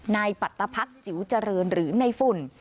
นายปัตตะพักจิ๋วเจริญหรือในฝุ่น